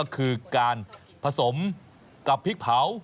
ก็คือการผสมกับพริกเผา